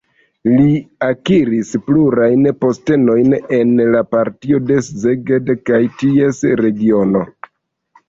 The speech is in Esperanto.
Li akiris plurajn postenojn en la partio en Szeged kaj ties regiono.